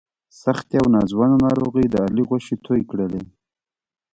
سختې او ناځوانه ناروغۍ د علي غوښې تویې کړلې.